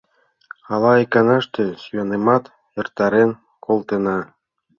— Ала иканаште сӱанымат эртарен колтена.